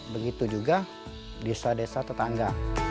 begitu juga di usaha desa tetangga